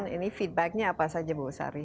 ini feedbacknya apa saja bu sari